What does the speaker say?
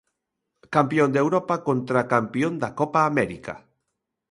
Campión de Europa contra Campión da Copa América.